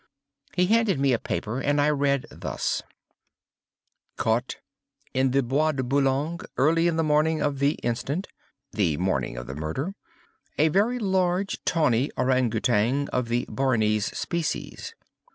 He handed me a paper, and I read thus: CAUGHT—In the Bois de Boulogne, early in the morning of the ——inst., (the morning of the murder),owner _a very large, tawny Ourang Outang of the Bornese species.